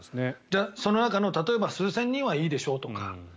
その中の例えば数千人はいいでしょうとか。